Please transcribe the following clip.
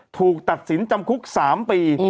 ถูกตัดสินจำคุก๓ปี